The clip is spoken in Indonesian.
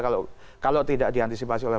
kalau tidak diantisipasi oleh